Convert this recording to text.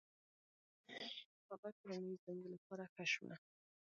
هغه کورنۍ زموږ له پاره ښه شوه.